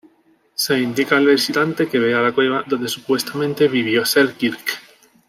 Se indica al visitante que vea la cueva donde supuestamente vivió Selkirk.